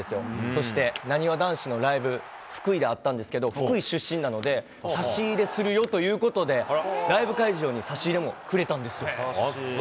そして、なにわ男子のライブ、福井であったんですけど、福井出身なので、差し入れするよということで、ライブ会場に差し入れもくれたんですよ。